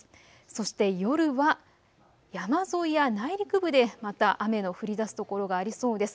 そして夜は山沿いや内陸部でまた雨の降りだす所がありそうです。